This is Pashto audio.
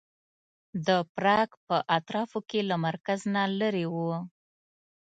د پراګ په اطرافو کې له مرکز نه لرې و.